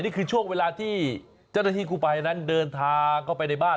นี่คือช่วงเวลาที่เจ้าหน้าที่กูภัยนั้นเดินทางเข้าไปในบ้าน